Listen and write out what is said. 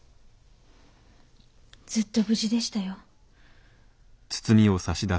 ずっと無事でしたよ。